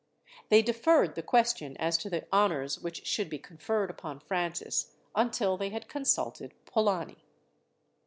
They deferred the question as to the honours which should be conferred upon Francis, until they had consulted Polani.